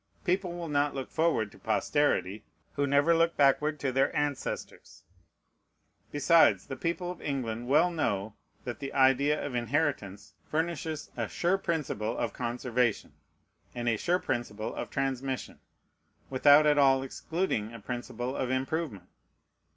People will not look forward to posterity, who never look backward to their ancestors. Besides, the people of England well know that the idea of inheritance furnishes a sure principle of conservation, and a sure principle of transmission, without at all excluding a principle of improvement.